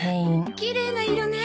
きれいな色ね。